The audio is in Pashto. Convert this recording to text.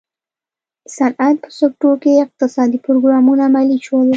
د صنعت په سکتور کې اقتصادي پروګرامونه عملي شول.